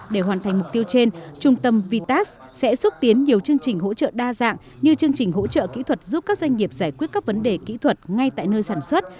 để hoàn thành mục tiêu trên trung tâm vitas sẽ xúc tiến nhiều chương trình hỗ trợ đa dạng như chương trình hỗ trợ kỹ thuật giúp các doanh nghiệp giải quyết các vấn đề kỹ thuật ngay tại nơi sản xuất